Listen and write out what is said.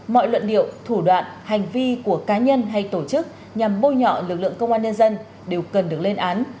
mọi luận điệu thủ đoạn hành vi của cá nhân hay tổ chức nhằm bôi nhọ lực lượng công an nhân dân đều cần được lên án